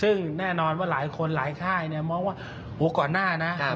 ซึ่งแน่นอนว่าหลายคนหลายค่ายเนี่ยมองว่าก่อนหน้านะ